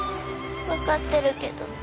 わかってるけど。